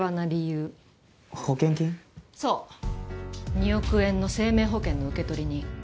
２億円の生命保険の受取人。